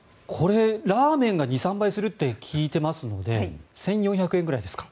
ラーメンが２３杯すると聞いてますので１４００円ぐらいですか？